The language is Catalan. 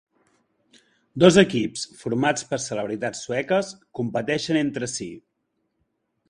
Dos equips formats per celebritats sueques competeixen entre si.